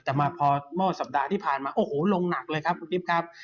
แต่มาพอเมื่อสัปดาห์ที่ผ่านมาโอ้โหลงหนักเลยครับคุณกิฟต์ครับ